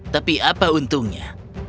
tapi apa untungnya